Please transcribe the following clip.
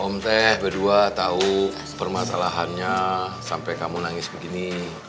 om teh berdua tahu permasalahannya sampai kamu nangis begini